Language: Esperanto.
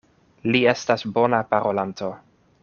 Li estas bona parolanto.